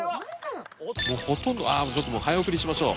もうほとんどああ早送りしましょう。